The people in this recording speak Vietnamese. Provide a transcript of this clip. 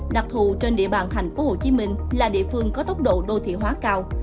đặc thù trên địa bàn thành phố hồ chí minh là địa phương có tốc độ đô thị hóa cao